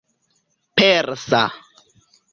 persa